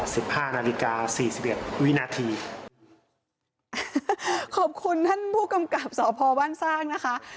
สิบห้านาฬิกาสี่สิบเอ็ดวินาทีขอบคุณท่านผู้กำกับสพบ้านสร้างนะคะ